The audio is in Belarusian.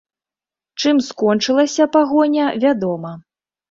Чым скончылася пагоня, вядома.